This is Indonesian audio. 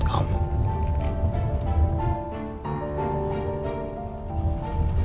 sekarang mau kita hoylle vika